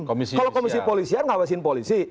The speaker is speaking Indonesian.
kalau komisi polisian ngawasin polisi